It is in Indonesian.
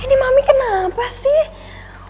ini mami kenapa sih